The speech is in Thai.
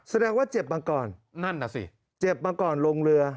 แสดงว่าเจ็บมาก่อนนั่นน่ะสิเจ็บมาก่อนลงเรือ